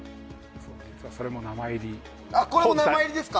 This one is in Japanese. これも名前入りですか？